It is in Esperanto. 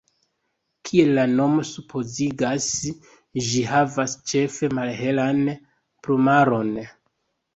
Kiel la nomo supozigas, ĝi havas ĉefe malhelan plumaron.